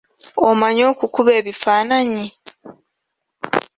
Omanyi okukuba ebifaananyi?